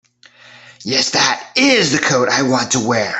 Yes, that IS the coat I want to wear.